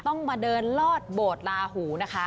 ต้องมาเดินลอดโบสถลาหูนะคะ